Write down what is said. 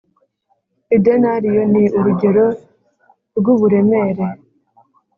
Idenariyo ni urugero rw uburemere.